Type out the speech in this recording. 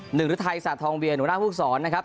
หนึ่งหรือไทยศาสตร์ทองเวียหนูหน้าภูกษรนะครับ